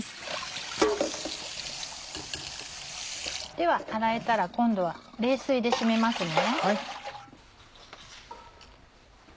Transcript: では洗えたら今度は冷水で締めますね。